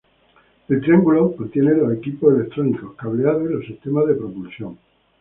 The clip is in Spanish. El triángulo contiene los equipos electrónicos, cableado y los sistemas de propulsión.